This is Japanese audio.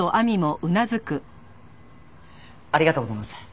ありがとうございます。